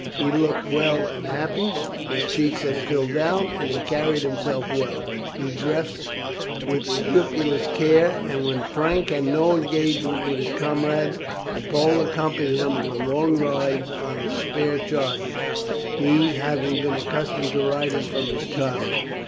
He looked well and happy; his cheeks had filled out, and he carried himself well; he dressed with scrupulous care, and when Frank had no engagement with his comrades, the Pole accompanied him on long rides on his spare charger, he having been accustomed to riding from his childhood.